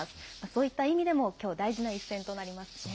そういった意味でも、きょう、大事な一戦となりますね。